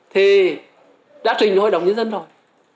thì đã trình hội đồng nhân dân rồi